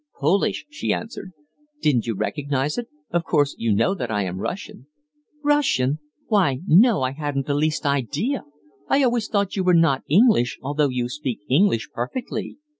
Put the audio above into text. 'Polish,' she answered. "Didn't you recognize it? Of course, you know that I am Russian." "Russian! Why, no, I hadn't the least idea. I always thought you were not English, although you speak English perfectly.